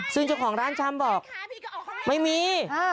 ซึ่งเจ้าของร้านชำบอกไม่มี